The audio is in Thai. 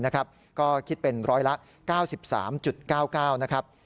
ก็คิดเป็นร้อยละ๙๓๙๙นะครับ